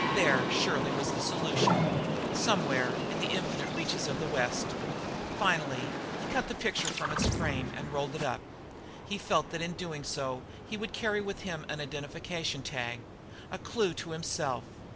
There surely, was the solution; somewhere in the infinite reaches of the West. Finally he cut the picture from its frame and rolled it up. He felt that in so doing he would carry with him an identification tag a clue to himself.